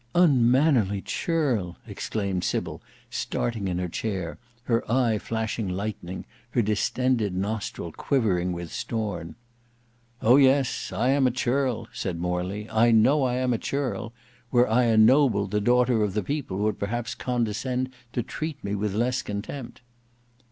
"Unmannerly churl!" exclaimed Sybil starting in her chair, her eye flashing lightning, her distended nostril quivering with scorn. "Oh! yes. I am a churl," said Morley; "I know I am a churl. Were I a noble the daughter of the people would perhaps condescend to treat me with less contempt."